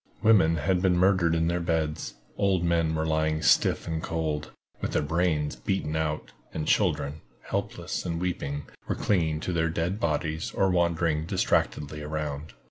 Women had been murdered in their beds, old men were lying stiff and cold, with their brains beaten out, and children, helpless and weeping, were clinging to their dead bodies or wandering distractedly around.